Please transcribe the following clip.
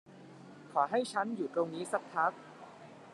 ขอให้ฉันอยู่ตรงนี้สักพัก